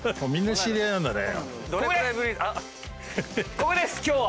ここです今日は！